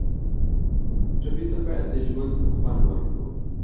ټپي ته باید د ژوند خوند ورکړو.